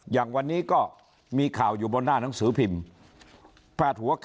อย่างวันนี้ก็มีข่าวอยู่บนหน้าหนังสือพิมพ์พาดหัวข่าว